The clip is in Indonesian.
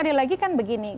apalagi kan begini